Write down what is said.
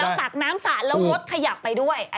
แล้วสักน้ำสระแล้วรถขยับไปด้วย